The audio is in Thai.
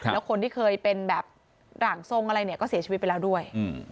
แล้วคนที่เคยเป็นแบบร่างทรงอะไรเนี่ยก็เสียชีวิตไปแล้วด้วย